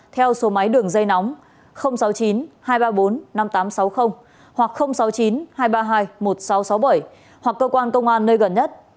theo số máy đường dây nóng sáu mươi chín hai trăm ba mươi bốn năm nghìn tám trăm sáu mươi hoặc sáu mươi chín hai trăm ba mươi hai một nghìn sáu trăm sáu mươi bảy hoặc cơ quan công an nơi gần nhất